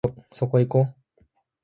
そこいこ